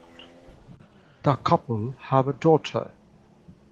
The couple have a daughter.